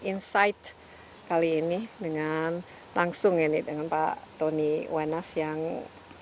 insight kali ini dengan langsung ya nih dengan pak tony wenas yang kita tadi sudah coba mengetahui